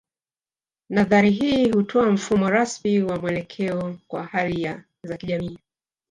Nadhari hii hutoa mfumo rasmi wa mwelekeo kwa hali za kijamii